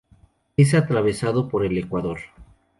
Es atravesado por el ecuador.